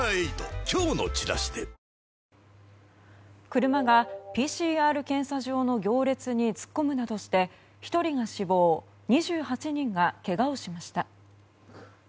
車がＰＣＲ検査場の行列に突っ込むなどして１人が死亡２８人がけがをしました。